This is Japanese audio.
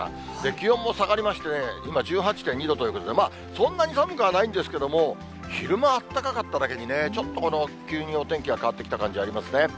気温も下がりましてね、今１８．２度ということで、そんなに寒くはないんですけども、昼間あったかかっただけにね、ちょっと急にお天気が変わってきた感じありますね。